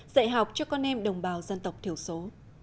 dạy học cho con em đồng bào dân tộc thiểu số